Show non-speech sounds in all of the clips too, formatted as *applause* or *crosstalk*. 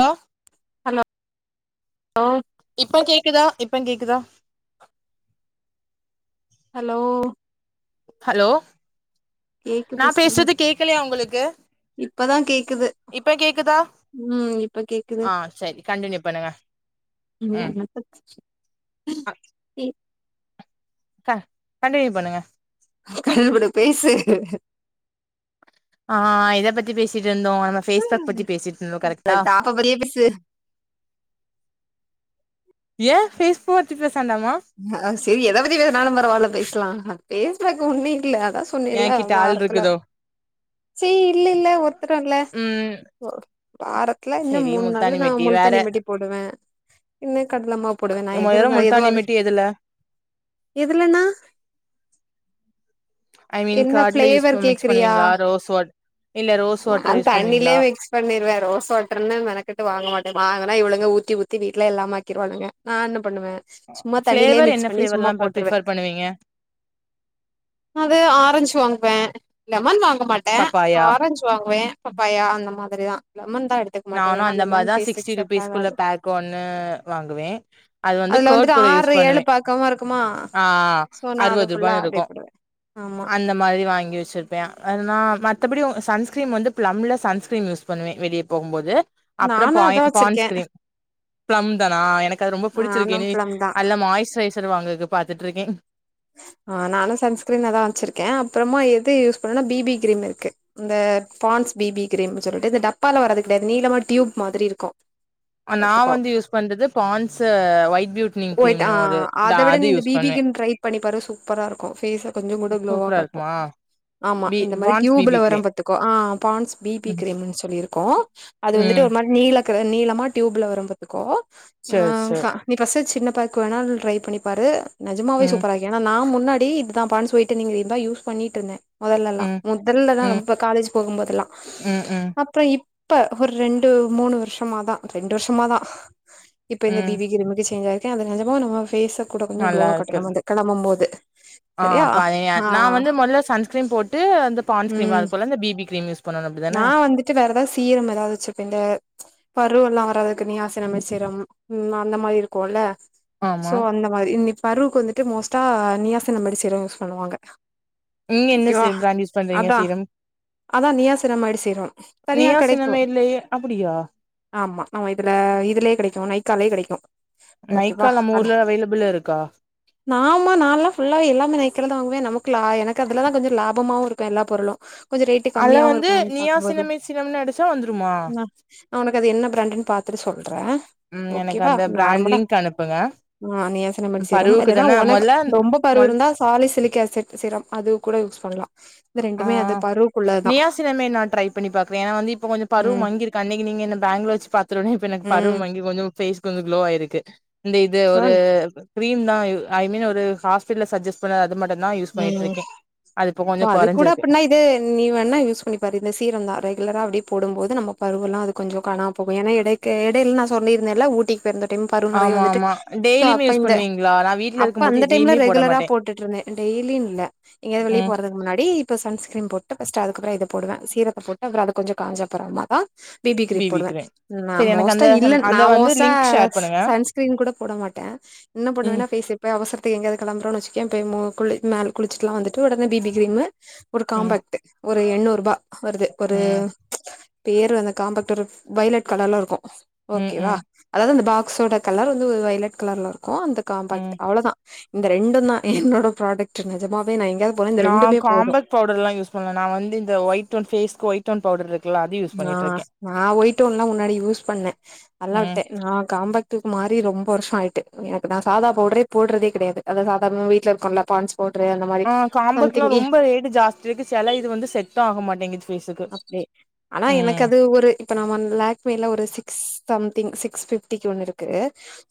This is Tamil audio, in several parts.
லோ ஹலோ லோ இப்போ கேக்குதா இப்பங் கேக்குதா ஹலோ ஹலோ நா கேக்குது சொல்லு பேசுறது கேக்லயா உங்களுக்கு இப்பதா கேக்குது இப்ப கேக்குதா ம் இப்ப கேக்குது ஆ சரி கண்டினியூ பண்ணுங்க இனி ம் என்னத்த பத்தி க கண்டின்யூ பண்ணுங்க கண்டின்யூ பண்ணு பேசு ஆ எத பத்தி பேசிட்டு இருந்தோ நம்ம பேஸ்பேக் பத்தி பேசிட்டு இருந்தோ அந்த கரெக்ட்டா டாப்ப பத்தியே பேசு ஏ பேஸ்புக் பத்தி பேசாண்டாமா ஆ சேரி எத பத்தி பேசுனாலு பரவால பேசலா பேசுறக்கு ஒன்னு இல்ல அதா சொன்னில்ல ஏங்கிட்ட ஆள் வாரத்துல இருக்குதோ ச்சி இல்ல இல்ல ஒருத்தரு இல்ல ம் வாரத்துல இன்னு சரி மூண் நாள் முல்தானி நா மெட்டி முள் வேற தாணி மெட்டி போடுவ இன்ன கடல மாவு போடுவ நா எது மொதல்ல இருந்தா முல்தானி எதுவாது மெட்டி எதுல இதுலன்னா ஐ மீன் என்ன கார்டுல யூஸ் ஃபிளேவர் மிக்ஸ் கேக்குறியா பண்ணுவீங்களா ரோஸ் வாட் இல்ல ரோஸ் வாட்டர் யூஸ் பண்ணுவீங்களா பண்ணிருவ ரோஸ் வாட்டார்ன்னு மெனக்கட்டு வாங்க மாட்ட வாங்குனா இவளுங்க ஊத்தி ஊத்தி வீட்ல இல்லாம ஆக்கிருவானுங்க நா என்ன பண்ணுவ சும்மா தண்ணிலே ஃபிளேவர் மிக்ஸ் என்ன பண்ணி சும்மா ஃபிளேவர்லா போட்ருவ ப்ரிஃபர் பண்ணுவீங்க அது ஆரஞ்சு வாங்குவ லெமன் வாங்க மாட்ட பப்பாயா ஆரஞ் வாங்குவ பப்பாயா அந்த மாதிரிதா லெமன் தா எடு நானு அந்த மாதா சிக்ஸ்டி ருபீஸ்க்குள்ள பேக் ஒன்னு வாங்குவே அது வந்து அதுல கேர்டு வந்துட்டு கூட யூஸ் ஆறு பண்ணுவே ஏழு பாக்கமா இருக்குமா ஆ சோ நா அத அறுவது ரூபா ஃபுல்லா இருக்கு அப்டியே போடுவே ஆமா அந் இந்த மாரி வாங்கி வச்சுருப்பே ஆனா மத்தபடி சன்ஸ்கிரீன் வந்து ப்ளம்ள சன்ஸ்கிரீன் யூஸ் பண்ணுவேன் வெளிய போம்போது அப்பறோ நானு அதா பான் வச்சிருக்கே பான்ஸ்கிரீம் பிளம் தானா எனக்கு அது ரொம்ப புடிச்சிருக்கு நானு இனி ப்ளம் தா அதுல மாய்ஸ்சுரைசர் வாங்கக்கு பாத்துட்டு இருக்கே ஆ நானு சன்ஸ்கிரீன் அதா வச்சிருக்க அப்றமா எது யூஸ் பண்ணும்னா பிபி கிரீம் இருக்கு இந்த பான்ஸ் பிபி கிரீம்னு சொல்லிட்டு இந்த டப்பால வரது கெடையாது நீளமா டியூப் மாதிரி இருக்கு நா பாத்துக்கோ வந்து யூஸ் பண்றது பான்ஸ்சு ஒயிட் பியூட் ஒயிட் ஆ அத விட நீ இந்த பிபி கிரீம் ட்ரை பண்ணி பாரு சூப்பரா இருக்கு பேஸ கொஞ்சோ கூட ஃகுளோவா காட் மா ஆமா இந்த மாரி டியூப்ல வரும் பாத்துக்கோ ஆ பான்ஸ் பிபி கிரீம்ன்னு சொல்லியிருக்கு அது வந்துட்டு ம் ஒரு மாரி நீல கலர் நீளமா டியூப்ல வரு பாத்துக்கோ சேர் சேர் ஸ்பெஷல் சின்ன பேக் வேணா ட்ரை பண்ணிபாரு நெஜமாவே ம் சூப்பராக்கு ஏன்னா நான் முன்னாடி இதுதான் பான்ஸ் போய்ட்டு நீங்க இதா யூஸ் பண்ணிட்ருந்த முதல்லல்லா ம் முதல்லதா ம் ரொம்ப காலேஜ் போகும்போதெல்லா ம் ம் அப்புறோ இப்ப ஒரு ரெண்டு மூணு வருஷமாதா ரெண்டு வருஷமாதா இப்ப இந்த ம் பிபிக்ரீம்க்கு சேஞ்சு ஆயிருக்க அது நெஜமே நம்ம பேஸ் கூட கொஞ்சோ நல்லா க்ளோவா இருக்கு காட்டு நம்ம கெளம்பும்போது ஆ பழைய ன் வந்து மொதல்ல சன்ஸ்கிரீம் போட்டு அந்த ம் பான்ஸ்கிரீம் அதுக்குள்ள இந்த பிபி கிரீம் யூஸ் பண்ணணு நா அப்டிதான வந்துட்டு வேற ஏதாது சீரம் ஏதாவது வச்சிருப்பீங்க பரு எல்லா வராதுக்கு நீயாசனமைச்சீரம் அந்த மாரி இருக்குல்ல ஆமா சோ அந்த இனி பருக்கு வந்துட்டு மோஸ்டா நீயாசனம்படி சீரம் யூஸ் பண்ணுவாங்க நீங்க என்ன ஓகேவா சீ பிராண்ட் யூஸ் பண்றீங்க அதா சீரம் அதா நீயாசனமைடி சீரம் தனியா நீயா கடைக்கு சினமேட்லயே அப்டியா ஆமா நம்ம இதுல இதுலே கெடைக்கு நைக்காலே கிடைக்கு நைக்கா நம்மூர்ல அவைலபிள் இருக்கா ஆமா நால்லா ஃபுல்லா எல்லாமே நைக்கால தா வாங்குவே நமக்கு எனக்கு அதுலதா கொஞ்சோ லாபமாவு இருக்கு எல்லா பொருளு கொஞ்ச ரேட்டு அதுல கம்மியாவு வந்து இருக்கு நமக் நீயா பாக்கும்போது சினமேட் சீரம்னு அடிச்சா வந்துருமா அ நா உனக் அது என்ன ப்ராண்டுன்னு பாத்துட்டு சொல்றே ம் ஓகேவா *unintelligible* நார்மலா லிங்க் அனுப்புங்க ஆ நியாசினமடு சீரம் பருவுக்கு அது தா தான ஒனக் மொதல்ல ரொம்ப பரு மொல் இருந்தா சாலிசிலிக் ஆசிட் சிரம் அது கூட யூஸ் பண்ணலா இது ரெண்டுமே ஆ அது பரு நியாசினமே நா ட்ரை பண்ணி பாக்கறே ஏனா வந்து இப்ப கொஞ்சோ பரு ம் மங்கிருக்கு அன்னைக்கு நீங்க என்ன பேங்குல வெச்சு பாத் துருன்னே இப்ப எனக்கு பரு ம் மங்கி கொஞ்சோ ஃபேஸ் கொஞ்சோ க்ளோ ஆய்ருக்கு இந்த இது சோ ஒரு க்ரீம் தா யு ஐ மீன் ஒரு ஹாஸ்பிட்டல்ல சஜ்ஜெஸ் பண்ணது அது மட்டுந்தா யூஸ் ம் பண்ணிட்ருக்கே அது இப்ப சோ கொஞ்சோ அது கூட கொறஞ்சிருக்கு அப்பிட்னா இது நீ வேணா யூஸ் பண்ணி பாரு இந்த சீரம் தா ரெகுலரா அப்டியே போடும்போது நம்ம பருவெல்லா அது கொஞ்ச காணாம போகு ஏனா எடைக்கு எடைல் நா சொல்லீர்ந்தேல்ல ஊட்டி போய்ர்ந்த டைம் பரு நெறைய ஆமா வந்துட்டு ஆமா சோ டெய்லியுமே அப்ப யூஸ் இந்த பண்ணுவீங்களா நா வீட்ல அப்ப இருக்கும் போது அந்த டைம்ல எதையுமே போட ரெகுலரா மாட்டே போட்டுட்ருந்தே இன் டெய்லியு இல்ல எங்யாது வெளிய ம் போற துக் முன்னாடி இப்ப சன்ஸ்கிரீன் போட்டு ஃபஸ்ட்டு அதுக்கப்றோ இத போடுவே சீரத்த போட்டு அப்றோ அது கொஞ்சோ காஞ்ச அப்பறமா தா பி பி க்ரீம் போடுவே நா செரி எனக்கு மோஸ்ட்டா அந்த இல்ல நா அந்த வந்து மோஸ்ட்டா லிங்க் ஷேர் பண்ணுங்க சன்ஸ்கிரீன் கூட போட மாட்டே என்ன ம் பண்ணுவேனா ஃபேஷியல் இப்ப அவசரத்துக் எங்யாது கெளம்புறோன் வெச்சிக்யே போய் மோ குளி மேல் குளிச்சுட்டுல்லா வந்துட்டு உடனே பி பி கிரீமு ஒரு ம் காம்பேக்ட்டு ஒரு எண்ணூர்ருபா வருது ஒரு ம் பேரு வந்து காம்பேக்ட் ஒரு வைலட் கலர்ல இருக்கு ம் ஓகேவா ம் அதாவ்து அந்த பாக்ஸோட கலர் வந்து ஒரு வைலட் கலர்ல இருக்கு அந்த காம்பேக்ட் ம் அவ்ளதா இந்த ரெண்டுந்தா என்னோட ப்ராடக்ட் நெஜமாவே நா எங்யாத் நா காம்பெக்ட் பவுடரல்லா யூஸ் பண்ல நா வந்து இந்த ஒய்ட் ஒன் ஃபேஸ்க்கு ஒய்ட் ஒன் பவுடர்ருக் ஆ நா ஒய்டோன்லா முன்னாடி யூஸ் பண்ணே அதலா ம் விட்டே நா காம்பேக் ட்டுக்கு மாரி ரொம்ப வர்ஷோ ஆயிட்டு எனக்கு நா சாதா பவுட்ரே போட்றதே கெடையாது அது சாதாரணமா வீட்லருக்குல்ல பான்ஸ் பவுட்ரே அந்த மாரி ஆ காம்போக்ட்லா சம்திங் ஏ ரொம்போ ரேட்டு ஜாஸ்தி இருக்கு செல இது வந்து செட்டு ஆக மாட்டிங்குது அப்டி ஆனா எனக்கு அது ஒரு இப்ப நா ஒன் லேக் மேல ஒரு சிக்ஸ் சம்திங் சிக்ஸ் ஃபிஃப்டிக்கு ஒன்னுருக்கு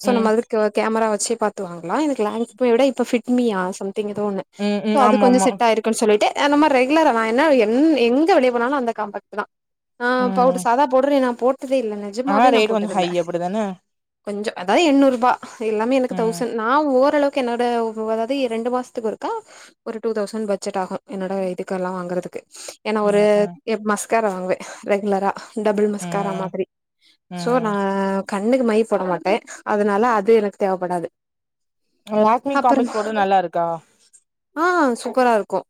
சோ ம் நம்ம அதுக்கு கேமரா வச்சு பாத்து வாங்கலா எனக்கு லேக்மீய விட இப்போ ஃபிட்மியா சம்திங் எதோ ஒன்னு ம் சோ ம் அது ஆமா கொஞ்ச ஆமா செட்டாயிருக்கு சொல்லீட்டு அ நம்ம ரெகுலரா நா என்ன எங் எங்க வெளிய எப்பனாாலு அந்த காம்பெக்ட்டு தா அ பவுட்ரு ம் சாதா பவுட்ரு நா போட்டதே இல்ல ஆ நெஜமாவே நா ரேட் கொஞ்சோ ஹை போட்டதில்ல அப்டிதான கொஞ்சோ அதாவ்து எண்ணூர்ருபா எல்லாமே எனக்கு ம் தௌசண் நா ஓரளவு க்கு என்னோட ஒவ் வ் அதாவ்து எ ரெண்டு மாஸ்த்துக் ஒருக்கா ஒரு டூ தௌசண் பட்ஜெட் ஆகு என்னோட இதுக்கெல்லா வாங்கறதுக்கு ஏனா ஒரு ம் ம் எ மஸ்காரா வாங்வே ரெகுலரா டபுள் மஸ்காரா ம் மாதிரி சோ நா ம் கண்ணுக்கு மை போட மாட்டே அதுனால அது எனக்கு தேவப்படாது லேக்மீ காம்பெக்ட் அப்புறமா பவுட்ரு நல்லாருக்கா ஆ சூப்பரா இருக்கு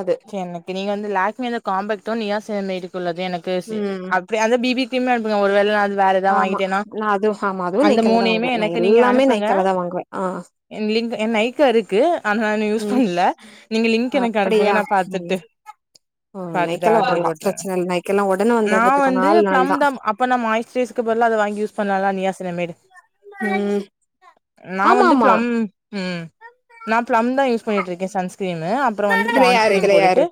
அது எனக்கு நீங் வந்து லேக்மீல காம்பெக்ட்டு நியாசெனைடுக்குள்ளது எனக்கு சே ம் அப் டி அதே பி பி க்ரீமே அனுப்புங்க ஒருவேள அது வேற எதா ஆமா வாங்கிட்டேன்னா நா அதுவு ஆமா அதுவு அந்த நைக்கால தா மூணயுமே வாங்குவே நா எனக்கு நீங்க எல்லாமே அனுப்புங்க நைக்கால தா வாங்குவே ஆ எ லிங்க் எ நைக்கா இருக்கு ஆனா நா யூஸ் ம் பண்ல நீங்க லிங்க் எனக்கு அனுப்புங்க நா நீங்க பாத்துட்டு ம் பாத்துட்டு நைக்கெல ஆர்டர் வரலா போட்றே பிரச்சன இல்ல நைகல்லா உடனே வந்துரு பாத்துக்கோ நால் நாள்தா இப்ப நம்ம மாய்ஸ் ரேஸ்கு பதிலா அத வாங்கி யூஸ் பண்லால நியாசினமேடு ம் நா ஆமா வந்து ஆமா பிளம் ம் நா பிளம் தா யூஸ் பண்ணிட்டு இருக்கே சன்ஸ்கிரீனு அப்றோ வந்து இதுல பான்ஸ் யாரு கிரீம் இதுல போட்டுட்டு யாரு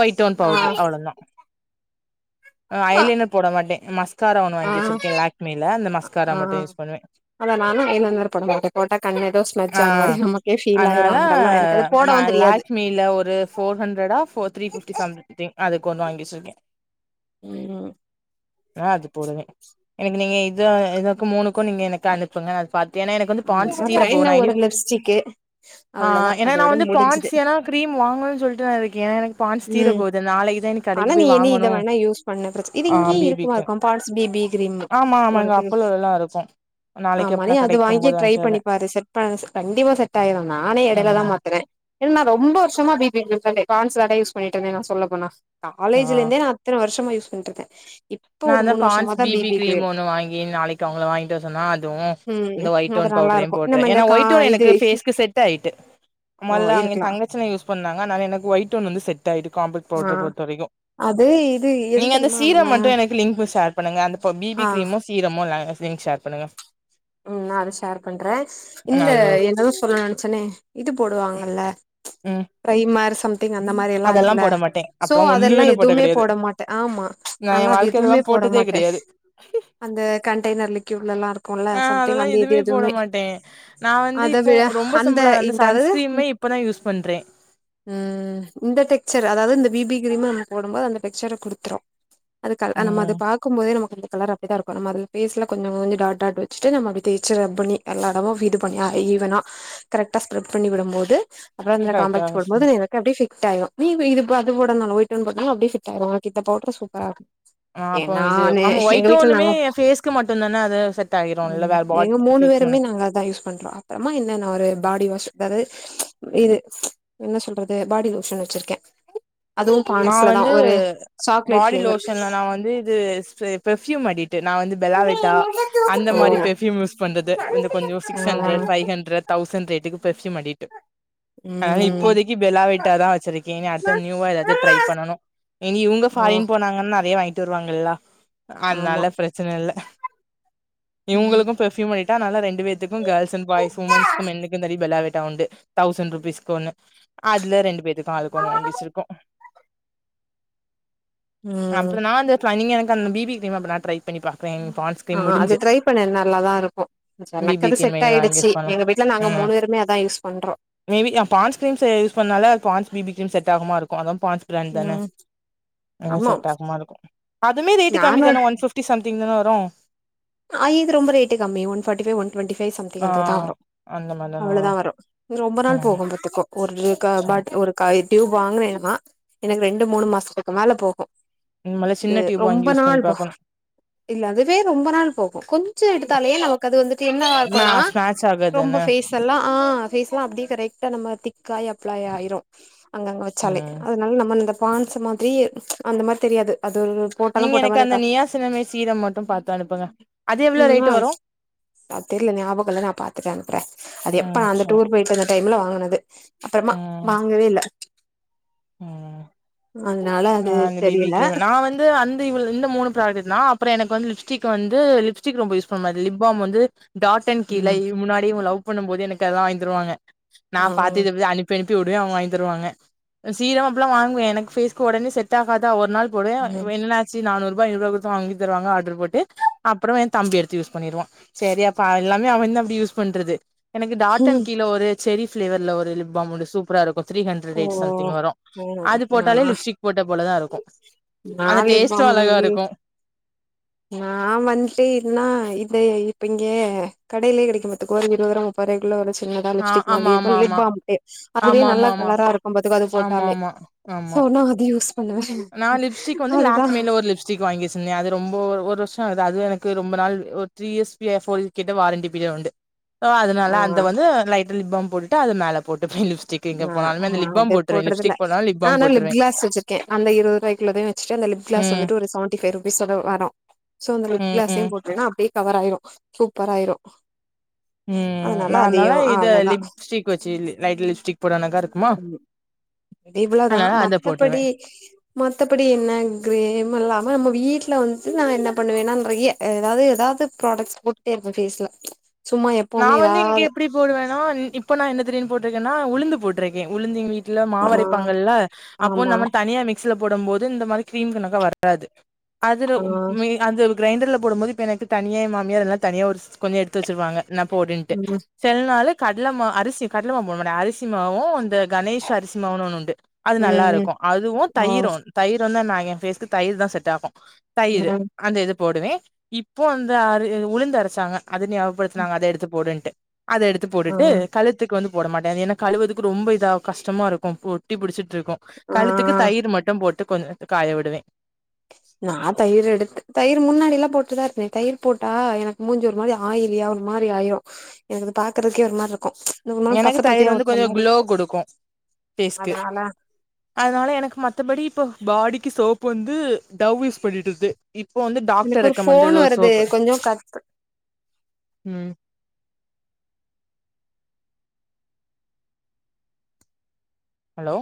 ஒய்டோன் ஆ பவுடரு அவ்ளதா ஐலைனர் போட மாட்டே மஸ் மஸ்கார ஒன்னு ஆ வாங்கி வச்சிருக்கே லாக்மில இந்த மஸ்கார ஆ மட்டு யூஸ் பண்ணுவே அத நானு ஐலனர் போட மாட்டே போட்டா கண்ணு எதோ ஸ்மெஜ் ஆ ஆன மாரி நமக்கே ஃபீல் ஆயிரு அதெல்லா எனக்கு அது போடவு தெரியாது மீல ஒரு ஃபோர் ஹண்ட்ரடா போர் த்ரீ ஃபிப்டி சம்திங் அதுக்கு ஒன்னு வாங்கி வச்சுருக்கே ம் ஆனா அது போடுவே எனக்கு நீங்க இத எனக்கு மூணுக்கு நீங்க எனக்கு அனுப்புங்க அத பாத்தே ஏன்னா எனக்கு வந்து ம் பான்ஸ் தீர அப்புற போது என்ன நா இனி ஒரு லிப்ஸ்டிக்கு ஆ அவ்ளதா ஏனா நா அதோட வந்து பான்ஸ் முடிஞ்சுது ஏனா கிரீம் வாங்குன சொல்லி இருக்கு ஏன்னா எனக்கு பான்ஸ் தீர ம் போது நாளைக்குதா எனக்கு ஆனா கடைக்கு நீ போய் இனி இத வாங்கணு வேணா யூஸ் பண்ண பிரச்ச இது ஆ இங்கேயே இருக்குமா பிபிக்கு இருக்கு பாட்ஸ் பிபி கிரீம் ஆமா ஆமாங்க உனக்கு அப்பலோல்லலா இருக்கு நாளைக்கு எப்னா கடைக்கு போனு நீயு ட்ரை பண்ணிப்பாரு செட் ஆகு கண்டிபா செட் ஆயிரு நானே இடைல தா ம் மாத்துனே என்ன நா ரொம்ப வருஷமா பிபின் யூஸ் பண்ற கான்சென்டா யூஸ் பண்ணிட்டு இருந்தே நா சொல்லப்போனா ஆ காலேஜ்ல இருந்தே நா இத்தன வருஷமா யூஸ் பண்ட்ருக்க நா தா பான்ஸ் பிபி கிரீம் ஒன்னு வாங்கி நாளைக்கு அவங்கள வாங்கிட்டு வர சொன்னா அதுவு இந்த ஒயிட் ம் அது டோன் நல்லா பவுடரயு இருக்கு போட்ருவ நம்ம இந்த ஏன்னா கா ஒய்ட்டு இது எனக்கு ஃபேஸ்க்கு செட் ஆய்ட்டு ஓ மல்ல அங்க எ இருக்கலா தங்கச்சின யூஸ் பண்ணாங்க அனால எனக்கு ஒயிட் ஒன் வந்து செட் ஆயிட்டு காம்பக்ட் ஆ பவுடர் பொறுத்த வரைக்கு அது இது எது தெரிமா நம்ம எனக்கு லிங்க் ஷேர் பண்ணுங்க அந்த பிபி ஆ கிரீமு சீரமு லிங்க் ஷேர் பண்ணுங்க ம் நா அத ஷேர் பண்ற இந்த நானும் எதோ சொல்ல நெனச்சனே இது போடுவாங்கல்ல ம் பிரைமர் சம் அந்த மாரியல்லா அதெல்லா இருக்குல்ல போட மாட்டே சோ அப்பல்லா ஒண்ணுமே அதெல்லா நா போட்டது எதுமே கெடையாது போட மாட்ட ஆமா நா எ நாலா வாழ்க்கைல அதெல்லா எதுமே போட்டதே கிடையாது அந்த கண்டைனர் லிக்யூடுலல்லா இருக்குல ஆ அதெல்லா எதுமே போட மாட்டே நா வந்து அத இப்போ விட ரொம்ப சிம்பிளா அந்த இந்த அதாவது சன்ஸ்கிரீமு இப் இப்பதா யூஸ் பண்றே ம் இந்த டெக்சர் அதாவது இந்த பிபி கிரீம நம்ம போடுபோது அந்த டெக்சர குடுத்துரு அதுக்கு அது நம்ம அது ம் பாக்கு போதே நமக்கு அந்த கலர் அப்டிதா இருக்கு அதுல ஃபேஸ்ல கொஞ்சோ கொஞ்சோ டாட் டாட் ஃபர்ஸ்ட் நம்ம அது தேச்சு ரப் பண்ணி எல்லா இடமு இது பண்ணி ஈவனா கரெக்டா ஸ்ப்ரெட் பண்ணி விடும் போது அப்றோ அந்த கரெக்டா காம்பக்ட் போடு சொன்ன. போது அப்டிபிட் ஆயிரு நீ இது அது போடனாலு ஒயிட் ஒன் போட்டாலு அப்டிபிட் ஆயிடு உனக்கு இந்த பவுடர் சூப்பரா இருக்கு அ அப்போ இது ஆமா ஒய்ட் ஒன்னுமே ஃபேஸ்க்கு மட்டு தான அது செட் ஆ ஆகிருல்ல வேற பாடி எங்க மூணு பேருமே ஃபேக்குனு நாங்க அதா யூஸ் பண்றோ அப்புறமா என்னென்ன ஒரு பாடிவாஷு அதாது இது என்ன சொல்றது பாடிலோஷன் வச்சிருக்கே அதுவு நா பாண்ட்ஸ்ல தா வந்து ஒரு சாக்லேட் பாடி ஃபிளேவர் லோஷன்ல நா வந்து இது ஃபே பெர்ஃப்யூம் அடிட்டு நா வந்து பெல்லாவேட்டா அந்த ஓ மாரி பெர்ஃப்யூம் யூஸ் பண்றது இந்த கொஞ்சோ சிக்ஸ் ஆ ஹண்ட்ரட் ஃபை ஹண்ட்ரட் தௌசண் ரேட்டுக்கு பெர்ஃப்யூம் அடிட்டு அதனால ம் இப்போதைக்கு பல்லாவிட்டதா வச்சிருக்கேன். இன்னெம் அடுத்து நியூவா ஏதாவது. ட்ரை பண்ணணு எங்க இவுங்க ஓ ஃபாரின் போனாங்கன்னா அதே வாய்ங்ட்டு வருவாங்கல்லா அதுனால ஆமா ஃபிர பிரச்சன இல்ல இவுங்குளுக்கு இப்ப சிம் பண்ணிட்டா நல்லா ரெண்டுவேத்துக்கு கேல்ஸ் அண்ட் பாய்ஸ் உமன்ஸ்க்கு மென்னுக்கு தனி பெல்லாவேட்டா உண்டு தௌசண் ருபீஸ்க்கு ஒன்னு அதுல ரெண்டுபேதுக்கு ஆளுக்கொன்னு வாங்கி வச்சிருக்கோ ம் அப்புறோ நா வந்து தனியா எனக்கு அந்த பி பி கிரீம் அப்ப நா ட்ரை பண்ணி பாக்குறே பான்ஸ் ஆ கிரீம் அது முடிஞ்சு ட்ரை பண்ண நல்லாதான் இருக்கும் பி எனக் பி அது கிரீம் இனி வாங்கி செட்டாய்டுச்சு யூஸ் பண்ணலா எங்க வீட்ல நாங்க ம் மூணு பேருமே அதா யூஸ் பண்றோ மேபி நா பான்ஸ் க்ரீம்ஸு யூஸ் பண்ணால அது பான்ஸ் பி பி க்ரீம் செட்டாகுமா இருக்கு அதா பாத்து ம் ஆமா அதுமே ரேட்டு கம்மி நானு தான ஒன் பிப் டி சம்திங் தான வரும் ஆ இது ரொம்ப ரேட்டு கம்மி one forty five one twenty five something ஆ அதுதா வரு அந்த மாரி தான அவுளதா வரு இது ரொம்ப நாள் ம் போகும்பாத்துக்கோ ஒரு சரி காபாட்ல் ஒரு கைடியூப் வாங்குறேன்னா எனக்கு ரெண்டு மூணு மாசத்துக்கு மேல போகு இனிமேலு இது சின்ன டியூப் வாங்கி ரொம்ப யூஸ் பண்ணி நாள் போ பாக்கணு இல்ல அதுவே ரொம்ப நாள் போகும் கொஞ்சம் எடுத்தாலேயே நமக்கு அது வந்துட்டு என்னவா மே இருக்கும்னா ஸ்மேட்ச் ரொம்ப ஆகாதுதான பேஸ் இப்பெல்லா ஃபேஸ்லா அப்டியே கரெட்டா நம்ம திக்காயி அப்ளை ஆயிரு அங்கங்க வச்சாலே அது ம் அதுனால் நம்மன் இந்த பான்ஸு மாதிரி அந்த மாரி தெரியாது அது ஒரு போட்டாலு நீங்க போட்ட எனக்கு மாரி அந்த இருக்கா நியாசின்னமை சீரம் மட்டு பாத்து அனுப்புங்க அது எவ்ளோ மீடிமா ரேட் வரு வந்துஸ் அது தெரில ஞாபகோ இல்ல நா பாத்துட்டு அனுப்புற அது எப்ப ம் நா அந்த சரி டூர் போய்ட்டு வந்த டைம்ல வாங்குனது அப்புறமா ம் வாங்கவே இல்ல ம் அன்னால நா அந்த பி பி கிரீமு நா வந்து அந் இதே இவுளோ இந்த மூணு ப்ராடக்ட்னா அப்புறோ எனக்கு வந்து லிப்ஸ்டிக் வந்து லிப்ஸ்டிக் ரொம்ப யூஸ் பண்ண மாதிரி லிப்பாம் வந்து டாட்டன் கீ லா ம் இதுக்கு முன்னாடி இவங்க லவ் பண்ணும்போது எனக்கு அதெல்லாம் வாங்கி தருவாங்க ஆ நான் பாத்து இதுஇது அனுப் பென்னிப்புடுவேன் அவங்க வாங்கித்தருவாங்க சீரம் அப்பெல்லா வாங்குவேன் எனக்கு ஃபேஸ் உடனே செட்டாகாதா ஒர்நாள் போலயா இப்ப ம் என்னாச்சு நானூருபா ஐநூர்வா குடுத்து வாங்கி தருவாங்க ஆர்ட்ரு போட்டு அப்பறம் என் தம்பி எடுத்து யூஸ் பண்ணிருவான் செரி அப்ப எல்லாமே அவன் வந்து அப்டி யூஸ் பண்றது எனக்கு டாட்டன் ம் கீழ ஒரு செரி ஃபிளேவர்ல ஒரு லிப்பாம் ஒன்னு சூப்பரா இருக்கு த்ரீ ஹண்ட்ரட் ஓ ரேட் சம்திங் வரும் ஆ அது நா போட்டாலே லிப் போட்டபோலதா இருக்கு அந்த டேஸ்ட்டு லாலிபம் அழகா இருக்கு நா மன்த்லி என்னா இதா இப்ப இங்க கடையிலயே கெடைக்கும் மது கோ ஒரு விதரம் வரைக்குள்ள ஒரு சின்னதா ஆ லிப்ஸ்டிக் ஆமா மாதிரி ஆமா இருக்கு ஆமா லிப்பாமுட்டு அதுவே ஆமா ஆமா நல்லா ஆமா கலரா இருக்குபாதுக்கோ அது ஆமா போட்டாலே ஆமா ஆமா சோ நா அது யூஸ் பண்ணுவே நா லிப்ஸ்டிக் வந்து அதுதா லாக்மீல ஒரு லிப்ஸ் ஸ்டிக் வாங்கி வச்சிர்ந்தேன் அது ரொம்போ ஒரு வர்ஷோ ஆகுது அது எனக்கு ரொம்ப நாள் ஒரு த்ரீ இயர்ஸ்பிய ஃபோல் கிட்ட வாரண்டி பீரியட் உண்டு சோ அதுனால ஆ அத வந்து லைட்டு லிப்பாம் போட்டுட்டு அத மேல போட்டுப்பே லிப்ஸ்டிக் எங்க நா போனாலுமே அந்த நா லிப் பாம் அதே போட்ருவே போட்றதில்ல லிப்ஸ்டிக் போட்னாலு லிப் நா பாம் ஆனா போட்ருவே லிப்கிளாஸ் வச்சிர் கே அந்த இருவதுருவாய் குள்ளதையு வச்சுட்டு அந்த லிப் கிளாஸ் ம் வந்துட்டு ஒரு சவன்ட்டிஃபை ருபீஸ்லதா வரு சோ அந்த ம் ம் லுப்கிளாஸயு போட்ருங்க அப்டியே கவர்ராயிரு சூப்பராயிரு ம் நா அதுனால ஆ இத அவ்ளோதா லிப்ஸ்டிக் வச்சு லைட் லிப்ஸ்டிக் போடனக்கா இருக்கு இவ்ளதா அத போட்ருவே மத்தபடி மத்த படி என்ன கிரேம் இல்லாம நம்ம வீட்ல வந்துட்டு நா என்ன பண்ணுவேணா நறைய எதாவ்து எதாவ்து ப்ராடக்ட்ஸ் போட்டுட்டே இருப்பே ஃபேஸ்ல சும்மா நா எப்பவுமே வந்து இங்க ஏதாவது எப்டி போடுவேன்னா இப்ப நா என்ன திடீனு போட்ருக்கேன்னா உளுந்து போட்ருக்கே உளுந்து எங்க வீட் வீட்ல ஆ மாவரைப்பாங்கல்ல அப்போ ஆமா நம்ம தனியா மிக்சில போடும் போது இந்த மாரி க்ரீம் கணக்கா வராது அதுல ஆ மே அந்த கிரைண்டர்ல போடும் போது இப்ப எனக்கு தனியே எ மாமியார் எல்லா தனியா ஒரு ஸ் கொஞ்சோ எடுத்து வச்ருவாங்க நா போடுன்டு ம் செலநாளு கடலமா அரிசி கட்லமாவு போட மாட்டே அரிசி மாவூ அந்த கணேஷ் அரிசி மாவுன்னு ஒன்னு உண்டு அது ம் ம் நல்லாருக்கூ அதுவு ஓ தயிரு தயிருந்தா நா ஏ ஃபேஸ்க்கு தயிர் தா செட் ஆகு தயிரு ம் அந்த இது போடுவே இப்போ அந்த அ உளுந்து அரச்சாங்க அது நா நாங்க அத எடுத்து போடுன்ட்டு அத எடுத்து ஆ போட்டுட்டு கழுத் கழுத்துக்கு வந்து போட மாட்டே அது ஏன்னா கழுவதுக்கு ரொம்ப இதா கஷ்டமா இருக்கூ ஒட்டி புடிச்சிட்ருக்கூ கழுத்துக்கு ஆ தயிர் மட்டு போட்டு கொங்ச காய விடுவே நா தயிர் எடுத்து தயிர் முன்னாடி எல்லா போட்டுதான் இருந்தேன் தயிர் போட்டா எனக்கு மூஞ்சி ஒரு மாரி ஆயிலியா ஒரு மாரி ஆயிரு எனக்கு பாக்கறதுக்கே ஒரு மாரி இருக்கு ஒரு மாரி எனக்கு பச தயிர் பசையா வந்து ஒட்டுற கொஞ்சோ மாரி குளோ இருக்கு. கொடுக்கு பேஸ்க்கு அதனால அதனால எனக்கு மத்தபடி இப்போ பாடிக்கு சோப் வந்து டவ் யூஸ் பண்ணிட்டு இருந்தேன் இப்போ வந்து எனக்கு டாக்டர் ஒரு ரெக்க மென்டர் ஃபோன் எதோ ஒரு வருது சோப்பு கொஞ்சோ கட் ம் ஹலோ